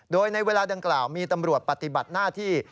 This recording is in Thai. โดยในเวลาดังกล่าวมีตำรวจปฏิบัติหน้าที่